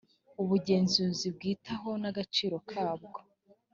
ubugenzuzi bwitaho n’agaciro kabwo